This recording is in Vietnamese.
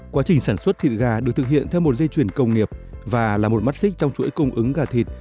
quá trình sản xuất thịt gà được thực hiện theo một dây chuyển công nghiệp và là một mắt xích trong chuỗi cung ứng gà thịt